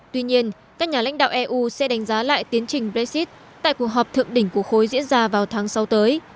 tuy nhiên các nhà lãnh đạo eu sẽ đánh giá lại tiến trình brexit tại cuộc họp thượng đỉnh của khối diễn ra vào tháng sáu tới